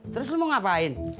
terus lo mau ngapain